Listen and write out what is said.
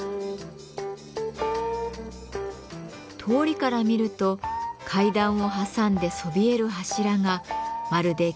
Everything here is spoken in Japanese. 通りから見ると階段を挟んでそびえる柱がまるで巨大な門のよう。